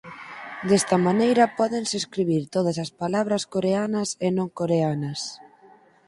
Desta maneira pódense escribir todas as palabras coreanas e non coreanas.